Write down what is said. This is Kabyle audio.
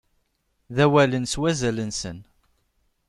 D awalen s wazal-nsen.